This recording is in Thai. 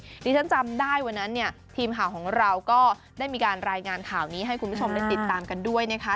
ที่ฉันจำได้วันนั้นเนี่ยทีมข่าวของเราก็ได้มีการรายงานข่าวนี้ให้คุณผู้ชมได้ติดตามกันด้วยนะคะ